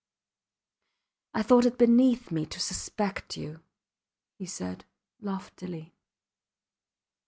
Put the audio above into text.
I thought it beneath me to suspect you, he said, loftily.